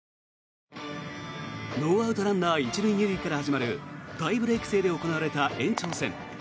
ノーアウトランナー１塁２塁から始まるタイブレーク制で行われた延長戦。